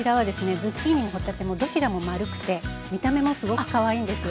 ズッキーニも帆立てもどちらも丸くて見た目もすごくかわいいんですよ。